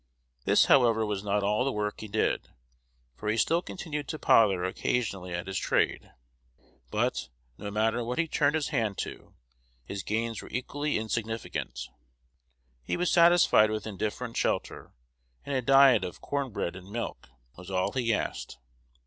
This, however, was not all the work he did, for he still continued to pother occasionally at his trade; but, no matter what he turned his hand to, his gains were equally insignificant. He was satisfied with indifferent shelter, and a diet of "corn bread and milk" was all he asked.